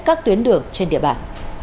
các tuyến đường trên địa bàn